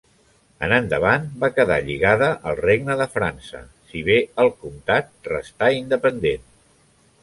En endavant va quedar lligada al regne de França, si bé el comtat restà independent.